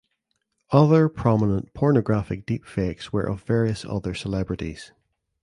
Other prominent pornographic deepfakes were of various other celebrities.